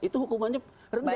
itu hukumannya rendah